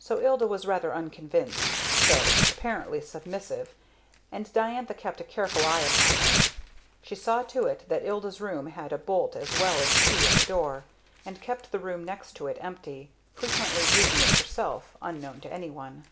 So Ilda was rather unconvinced, though apparently submissive, and Diantha kept a careful eye upon her. She saw to it that Ilda's room had a bolt as well as key in the door, and kept the room next to it empty; frequently using it herself, unknown to anyone.